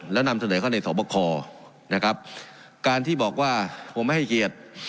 แล้วนำเสนอเข้าในสอบคอนะครับการที่บอกว่าผมไม่ให้เกียรติ